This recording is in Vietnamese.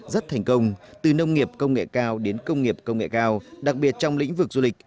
rất thành công từ nông nghiệp công nghệ cao đến công nghiệp công nghệ cao đặc biệt trong lĩnh vực du lịch